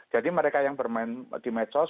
jadi mereka yang bermain di medsos